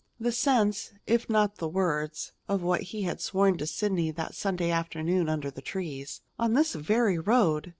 The sense, if not the words, of what he had sworn to Sidney that Sunday afternoon under the trees, on this very road!